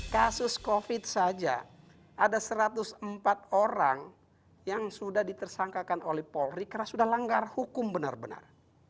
kasus covid saja ada satu ratus empat orang yang sudah ditersangkakan oleh polri karena sudah langgar hukum benar benar